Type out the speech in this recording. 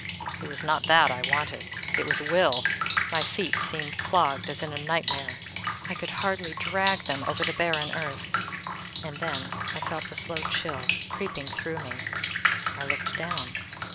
_ It was not that I wanted, it was will! My feet seemed clogged as in a nightmare. I could hardly drag them over the barren earth. And then I felt the slow chill creeping through me. I looked down.